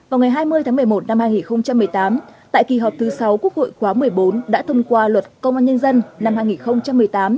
vào ngày hai mươi tháng một mươi một năm hai nghìn một mươi tám tại kỳ họp thứ sáu quốc hội khóa một mươi bốn đã thông qua luật công an nhân dân năm hai nghìn một mươi tám